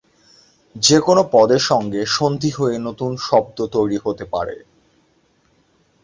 যেকোনো পদের সঙ্গে সন্ধি হয়ে নতুন শব্দ তৈরি হতে পারে।